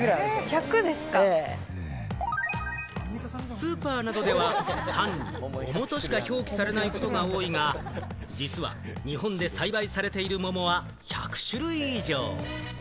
スーパーなどでは、単に桃としか表記されないことが多いが、実は日本で栽培されている桃は１００種類以上。